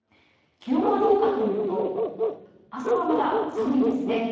気温はどうかというと朝はまだ寒いんですね。